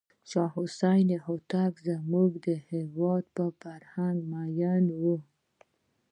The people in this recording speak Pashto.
شاه حسین هوتکی زموږ د هېواد په فرهنګ مینو و.